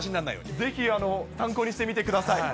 ぜひ参考にしてみてください。